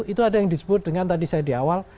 itu ada yang disebut dengan tadi saya di awal